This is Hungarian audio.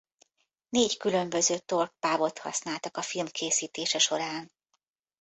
Négy különböző Torch bábot használtak a film készítése során.